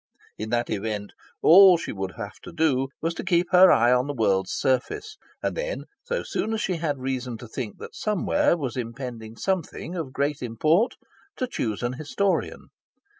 In that event, all she would have to do was to keep her eye on the world's surface, and then, so soon as she had reason to think that somewhere was impending something of great import, to choose an historian.